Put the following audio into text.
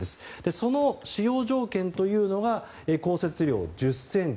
その使用条件というのは降雪量１０ｃｍ。